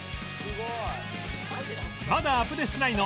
『まだアプデしてないの？